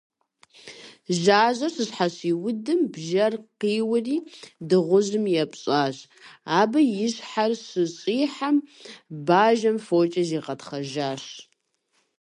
Жьажьэр щыщхьэщиудым, бжьэр къиури, дыгъужьым епщӏащ, абы и щхьэр щыщӏихьэм, бажэм фокӏэ зигъэтхъэжащ.